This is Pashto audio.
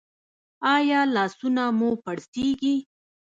ایا لاسونه مو پړسیږي؟